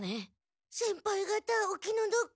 先輩がたお気の毒。